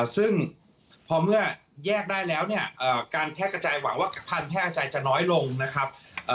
ซึ่งพอเมื่อแยกได้แล้วเนี่ยการแพร่กระจายหวังว่าพันธ์แพร่ใจจะน้อยลงนะครับ